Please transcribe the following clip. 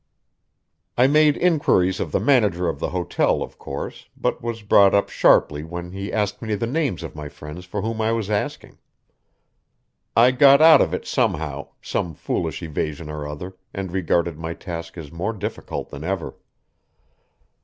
I made inquiries of the manager of the hotel, of course, but was brought up sharply when he asked me the names of my friends for whom I was asking. I got out of it somehow, some foolish evasion or other, and regarded my task as more difficult than ever.